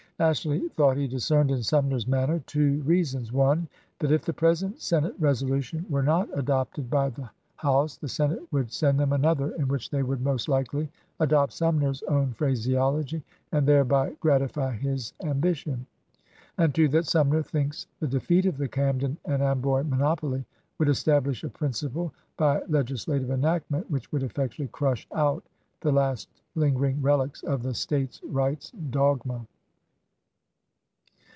Ashley thought he discerned in Sumner's manner two reasons : (1) That if the present Senate resolution were not adopted by the THE THIRTEENTH AMENDMENT 85 House, the Senate would send them another in which chey would most likely adopt Sumner's own phraseology and thereby gratify his ambition ; and (2) that Sumner thinks the defeat of the Camden and Amboy monopoly would establish a principle by legislative enactment which would effectually crush out the last lingering relics of the States rights dogma.